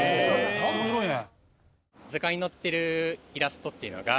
面白いね。